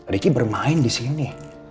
ricky bermain di sini